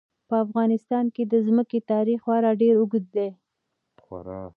په افغانستان کې د ځمکه تاریخ خورا ډېر اوږد دی.